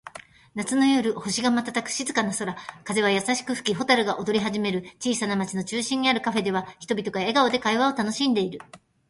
夏の夜、星が瞬く静かな空。風は優しく吹き、蛍が踊り始める。小さな町の中心にあるカフェでは、人々が笑顔で会話を楽しんでいる。